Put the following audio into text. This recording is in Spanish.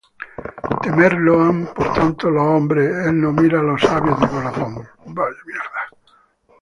Temerlo han por tanto los hombres: El no mira á los sabios de corazón.